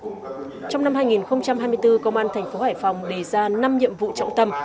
trong năm hai nghìn hai mươi bốn công an thành phố hải phòng đề ra năm nhiệm vụ trọng tâm